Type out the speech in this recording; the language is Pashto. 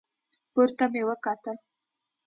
پورته مې وکتل.